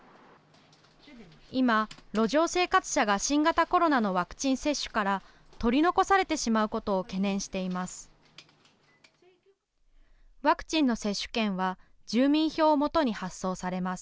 今、路上生活者が新型コロナのワクチン接種から取り残されてしまうことを懸念しています。